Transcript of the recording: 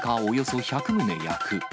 およそ１００棟焼く。